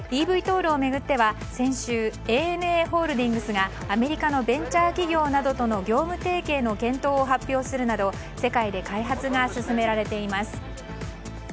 ｅＶＴＯＬを巡っては先週、ＡＮＡホールディングスがアメリカのベンチャー企業などとの業務提携の検討を発表するなど、世界で開発が進められています。